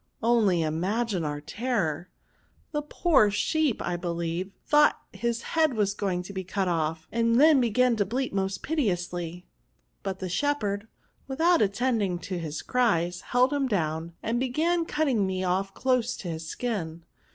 — Only imagine our terror! —> the poor sheep, I believe, thought his head was going to be cut off, and began to bleat most piteously ; but the shepherd, without attending to his cries, held him down, and began cutting me off close to his skin.